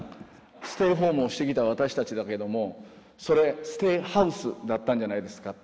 ステイホームをしてきた私たちだけどもそれ「ステイハウス」だったんじゃないですか？